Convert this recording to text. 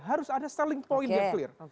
harus ada selling point yang clear